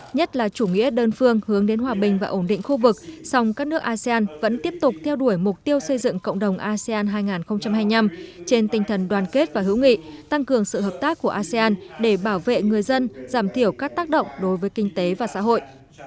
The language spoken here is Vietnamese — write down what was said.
nhất là chủ nghĩa đơn phương hướng đến hòa bình và ổn định khu vực song các nước asean vẫn tiếp tục theo đuổi mục tiêu xây dựng cộng đồng asean hai nghìn hai mươi năm trên tinh thần đoàn kết và hữu nghị tăng cường sự hợp tác của asean để bảo vệ người dân giảm thiểu các tác động đối với kinh tế và xã hội